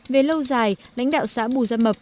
về lâu dài lãnh đạo xã bù gia mập